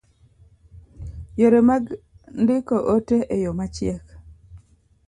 Yore mag ndiko ote e yo machiek